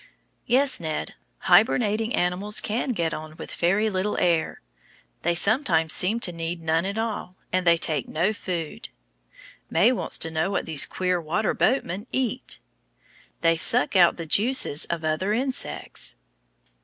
Yes, Ned, hibernating animals can get on with very little air; they sometimes seem to need none at all, and they take no food. May wants to know what these queer water boatmen eat. They suck out the juices of other insects.